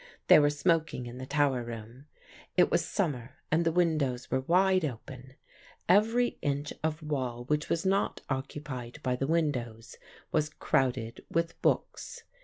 They were smoking in the tower room. It was summer, and the windows were wide open. Every inch of wall which was not occupied by the windows was crowded with books.